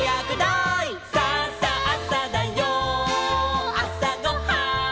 「さあさあさだよあさごはん」